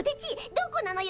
どこなのよ？